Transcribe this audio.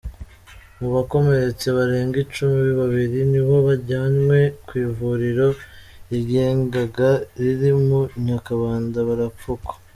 Mu bakomeretse barenga icumi, babiri nibo bajyanywe ku ivuriro ryigeganga riri mu Nyakabanda barapfukwa.